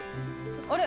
あれ？